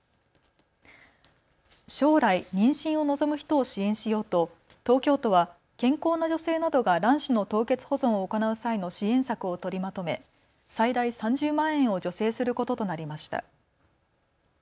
将来、妊娠を望む人を支援しようと東京都は健康な女性などが卵子の凍結保存を行う際の支援策を取りまとめ最大３０万円を助成することとなりました。